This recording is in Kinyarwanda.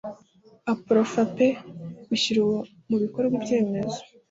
aprofaper bushyira mu bikorwa ibyemezo